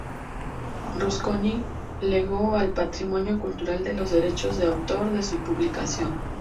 Rusconi legó al patrimonio cultural los derechos de autor de su publicación.